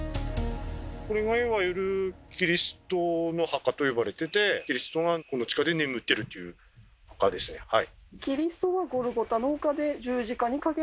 これがいわゆる「キリストの墓」と呼ばれててキリストがこの地下で眠ってるっていう墓ですねはい。